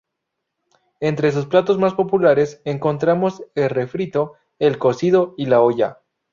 Entre sus platos más populares, encontramos el refrito, el cocido y la olla.